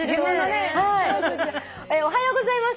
「おはようございます」